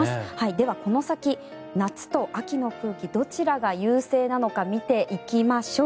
ではこの先、夏と秋の空気どちらが優勢なのか見ていきましょう。